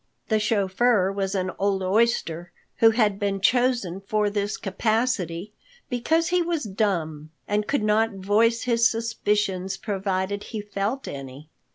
The chauffeur was an old oyster, who had been chosen for this capacity because he was dumb, and could not voice his suspicions provided he felt any.